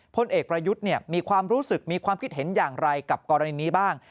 พลเอกประยุทธ์มีความรู้สึกมีความคิดเห็นอย่างไรกับกรณีนี้บ้าง